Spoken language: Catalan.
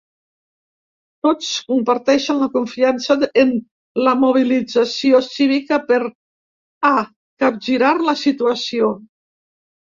Tots comparteixen la confiança en la mobilització cívica per a capgirar la situació.